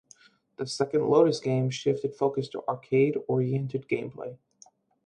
The second Lotus game shifted focus to arcade-oriented gameplay.